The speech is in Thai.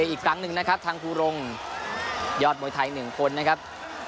อีกครั้งหนึ่งนะครับทางภูรงยอดมวยไทย๑คนนะครับ